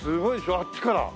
あっちから。